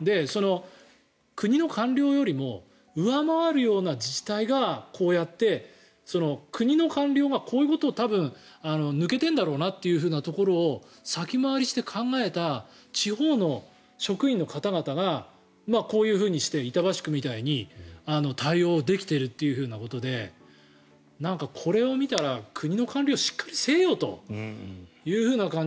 国の官僚よりも上回るような自治体がこうやって国の官僚がこういうことを多分抜けてんだろうなというところを先回りして考えた地方の職員の方々がこういうふうにして板橋区みたいに対応できてるということでこれを見たら、国の官僚しっかりせえよという感じ。